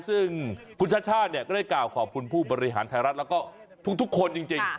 ซึ่งคุณชาติชาติเนี่ยก็ได้กล่าวขอบคุณผู้บริหารไทยรัฐแล้วก็ทุกคนจริง